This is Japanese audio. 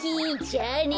じゃあね。